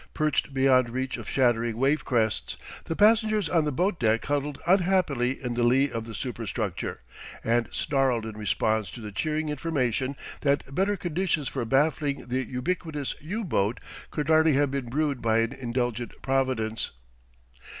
Perched beyond reach of shattering wavecrests, the passengers on the boat deck huddled unhappily in the lee of the superstructure and snarled in response to the cheering information that better conditions for baffling the ubiquitous U boat could hardly have been brewed by an indulgent Providence.